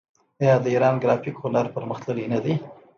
آیا د ایران ګرافیک هنر پرمختللی نه دی؟